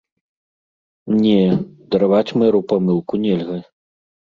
Не, дараваць мэру памылку нельга.